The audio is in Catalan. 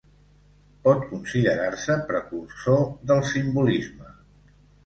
Pot considerar-se precursor del simbolisme.